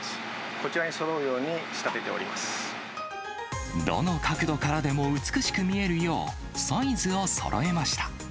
こちらにそろうように仕立てておどの角度からでも美しく見えるよう、サイズをそろえました。